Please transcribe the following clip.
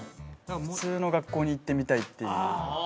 普通の学校に行ってみたいっていうあ